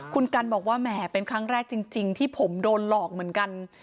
คุณกันบอกว่าแหมเป็นครั้งแรกจริงที่ผมโดนหลอกเหมือนกัน